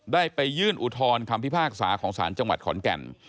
ได้ไปยื่นอุทธรณ์คำพิพากษาของศาลจังหวัดขอนแก่น